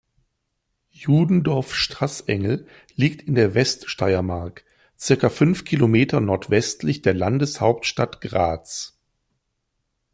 Judendorf-Straßengel liegt in der Weststeiermark, circa fünf Kilometer nordwestlich der Landeshauptstadt Graz.